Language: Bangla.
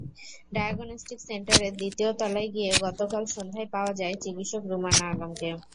ডায়াগনস্টিক সেন্টারের দ্বিতীয় তলায় গিয়ে গতকাল সন্ধ্যায় পাওয়া যায় চিকিৎসক রুমানা আলমকে।